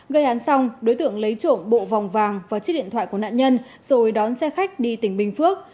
gây án xong đối tượng lấy trộm bộ vòng vàng và chiếc điện thoại của nạn nhân rồi đón xe khách đi tỉnh bình phước